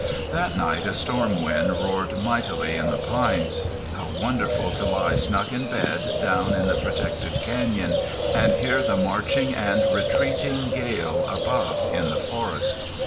That night a storm wind roared mightily in the pines. How wonderful to lie snug in bed, down in the protected canyon, and hear the marching and retreating gale above in the forest!